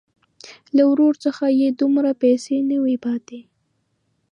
له ورور څخه یې دومره پیسې نه وې پاتې.